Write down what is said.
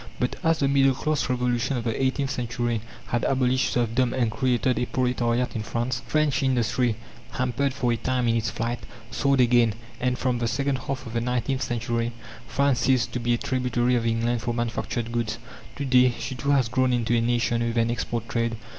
But as the middle class Revolution of the eighteenth century had abolished serfdom and created a proletariat in France, French industry, hampered for a time in its flight, soared again, and from the second half of the nineteenth century France ceased to be a tributary of England for manufactured goods. To day she too has grown into a nation with an export trade.